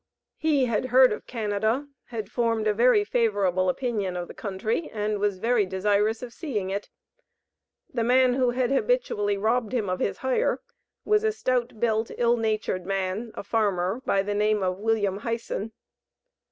He had heard of Canada, had formed a very favorable opinion of the country and was very desirous of seeing it. The man who had habitually robbed him of his hire, was a "stout built, ill natured man," a farmer, by the name of William Hyson.